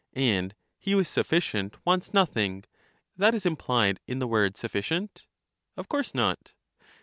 And he who is sufficient wants nothing — that is implied in the word sufficient? Of course not.